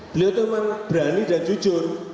beliau itu memang berani dan jujur